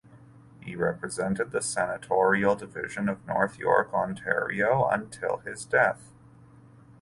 He represented the senatorial division of North York, Ontario until his death.